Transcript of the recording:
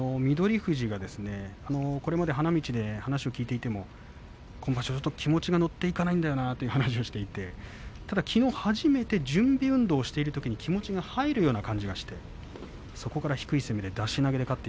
富士は、これまで花道で話を聞いていても今場所、気持ちが乗っていかないんだよなという話をしていたんですがきのう、準備運動しているときに気持ちが入るような感じがしましたね。